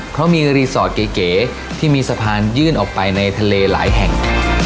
เพราะมีรีสอร์ทเก๋ที่มีสะพานยื่นออกไปในทะเลหลายแห่ง